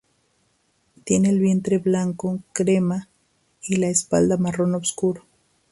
Tienen el vientre blanco crema, y la espalda marrón oscuro.